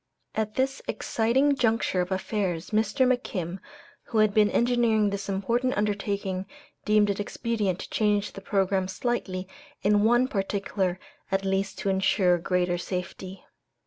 At this exciting juncture of affairs, Mr. McKim, who had been engineering this important undertaking, deemed it expedient to change the programme slightly in one particular at least to insure greater safety.